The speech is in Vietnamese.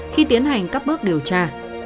khi tiến hành các bước điều tra